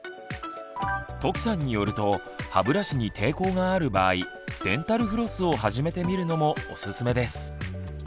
土岐さんによると歯ブラシに抵抗がある場合デンタルフロスを始めてみるのもおすすめです。